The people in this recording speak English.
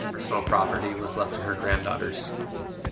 Personal property was left to her granddaughters.